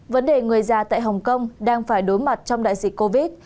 vấn đề người già tại hồng kông đang phải đối mặt trong đại dịch covid